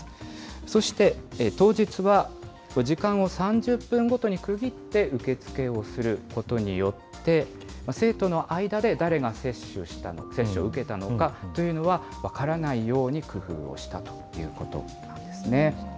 そして、当日は時間を３０分ごとに区切って受け付けをすることによって、生徒の間で誰が接種した、受けたのかというのは分からないように工夫をしたということなんですね。